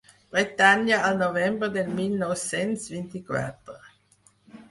Bretanya al novembre del mil nou-cents vint-i-quatre.